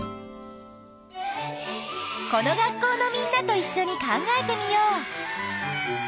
この学校のみんなといっしょに考えてみよう！